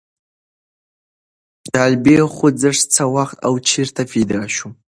طالبي خوځښت څه وخت او چېرته پیدا شو؟